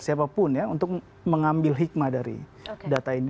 bagi kerajaan pun ya untuk mengambil hikmah dari data ini